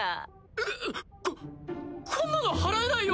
うっここんなの払えないよ！